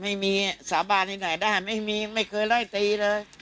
ไม่มีสาบานที่ไหนได้ไม่มีไม่เคยไล่ตีเลย